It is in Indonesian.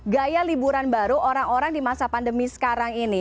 gaya liburan baru orang orang di masa pandemi sekarang ini